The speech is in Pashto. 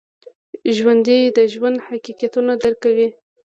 ژوندي د ژوند حقیقتونه درک کوي